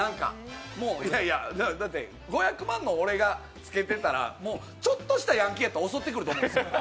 だって、５００万のを俺がつけてたら、ちょっとしたヤンキーが襲ってくると思うんですよ。